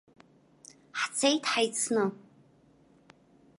Ҳцеит хаицны.